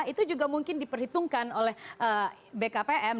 itu juga mungkin diperhitungkan oleh bkpm